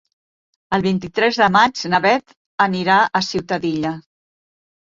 El vint-i-tres de maig na Beth anirà a Ciutadilla.